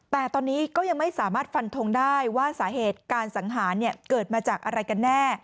แต่ตอนนี้ก็ยังไม่สามารถฟันทงได้ว่าสาเหตุการสังหารเกิดมาจากอะไรกันแน่